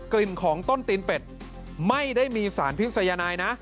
กลิ่นของต้นตีนเป็ดไม่ได้มีสารพิษยนายนะ